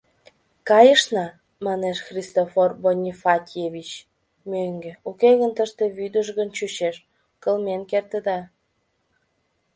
— Кайышна, — манеш, — Христофор Бонифатьевич, мӧҥгӧ, уке гын, тыште вӱдыжгын чучеш, кылмен кертыда.